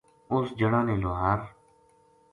اُس جنا نے لوہار